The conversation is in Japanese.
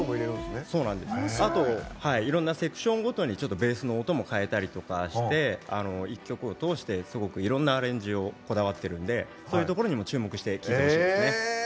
あと、いろんなセクションごとにちょっとベースの音も変えたりとかして一曲を通して、すごくいろんなアレンジをこだわっているんでそういうところにも注目して聴いてほしいですね。